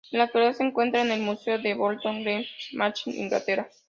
En la actualidad se encuentra en el Museo de Bolton, Greater Manchester, Inglaterra.